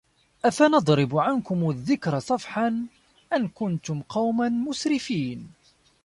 أَفَنَضرِبُ عَنكُمُ الذِّكرَ صَفحًا أَن كُنتُم قَومًا مُسرِفينَ